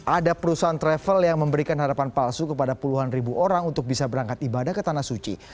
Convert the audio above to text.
ada perusahaan travel yang memberikan harapan palsu kepada puluhan ribu orang untuk bisa berangkat ibadah ke tanah suci